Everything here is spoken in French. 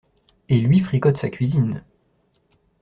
Et lui fricote sa cuisine !